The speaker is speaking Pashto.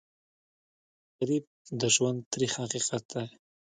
غریب د ژوند تریخ حقیقت دی